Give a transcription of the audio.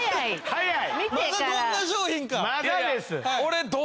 はい。